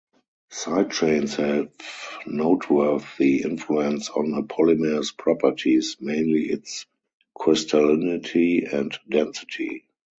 Side chains have noteworthy influence on a polymer's properties, mainly its crystallinity and density.